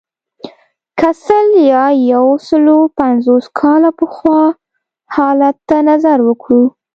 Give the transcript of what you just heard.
که سل یا یو سلو پنځوس کاله پخوا حالت ته نظر وکړو.